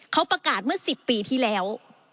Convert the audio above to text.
เขาประกาศเมื่อ๑๐ปีที่แล้ว